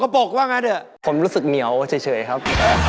ผมรู้สึกเหนียวเฉครับ